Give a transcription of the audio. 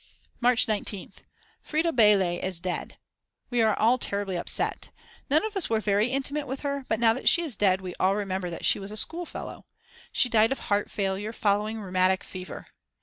March 19th. Frieda Belay is dead. We are all terribly upset. None of us were very intimate with her, but now that she is dead we all remember that she was a schoolfellow. She died of heart failure following rheumatic fever.